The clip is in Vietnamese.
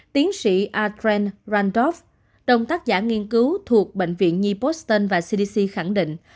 tiến sĩ adrian randolph đồng tác giả nghiên cứu thuộc bệnh viện new boston và cdc khẳng định